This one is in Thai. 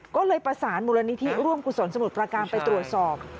ก็เลยประสานมูลนิธิร่วมกุศลสมุทรประการไปตรวจสอบ